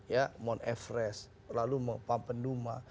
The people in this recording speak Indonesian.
ya mount everest lalu pampenuma